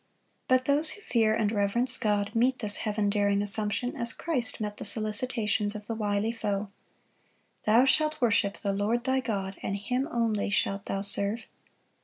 But those who fear and reverence God meet this Heaven daring assumption as Christ met the solicitations of the wily foe: "Thou shalt worship the Lord thy God, and Him only shalt thou serve."